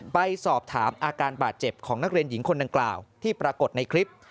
ไปสอบถามอาการบาดเจ็บของนักเรียนหญิงคนดังกล่าวที่ปรากฏในคลิป